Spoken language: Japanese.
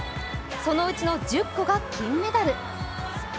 そのうちの１０個が金メダル。